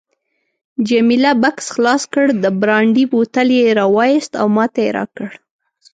جميله بکس خلاص کړ، د برانډي بوتل یې راوایست او ماته یې راکړ.